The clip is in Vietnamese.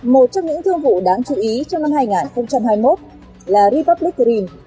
một trong những thương vụ đáng chú ý trong năm hai nghìn hai mươi một là republic green